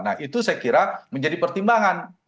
nah itu saya kira menjadi pertimbangan